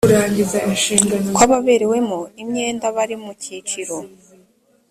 kw ababerewemo imyenda bari mu cyiciro